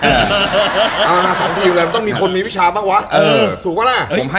เอามาสามทีมแหละต้องมีคนมีพี่ชาวบ้างวะ